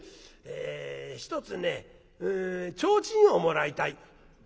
「えひとつね提灯をもらいたい」。